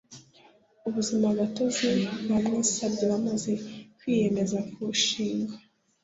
ubuzimagatozi babuisabye bamaze kwiyemeza kuwushinga